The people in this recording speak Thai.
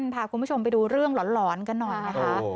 พาคุณผู้ชมไปดูเรื่องหลอนกันหน่อยนะคะ